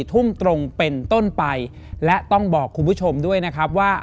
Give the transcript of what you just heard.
ทุ่มตรงเป็นต้นไปและต้องบอกคุณผู้ชมด้วยนะครับว่า